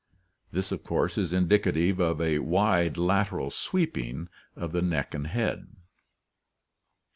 This of course is indicative of a wide lateral sweeping of the neck and head.